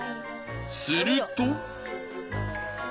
すると。